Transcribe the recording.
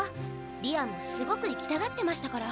理亞もすごく行きたがってましたから。